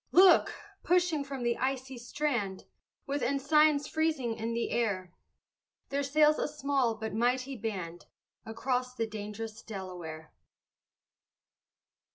Look! pushing from the icy strand, With ensigns freezing in the air, There sails a small but mighty band, Across the dang'rous Delaware.